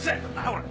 これ。